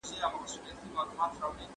تعلیم لرونکې ښځې د خپلو حقونو دفاع کولی شي.